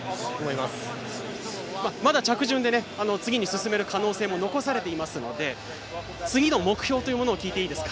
まだ着順で次に進める可能性も残されていますので次の目標というものを聞いていいですか。